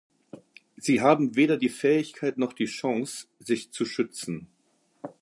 Sie haben weder die Fähigkeit noch die Chance, sich zu schützen.